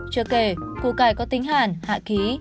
trước kể củ cải có tính hạn hạ khí